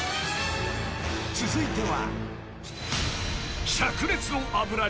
［続いては］